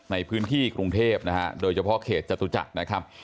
ในพื้นที่กรุงเทพนะฮะโดยเฉพาะเขตจตุจักรนะครับ